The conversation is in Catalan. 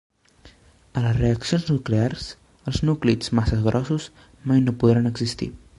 A les reaccions nuclears, els núclids massa grossos mai no podran existir.